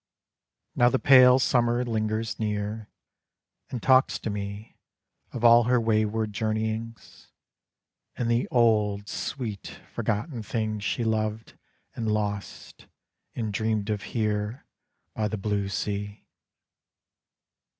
Now the pale Summer lingers near, And talks to me Of all her wayward journeyings, And the old, sweet, forgotten things She loved and lost and dreamed of here By the blue sea.